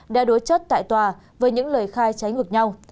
đã đối chất tại tòa với những lời khai trái ngược nhau